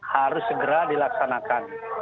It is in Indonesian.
harus segera dilaksanakan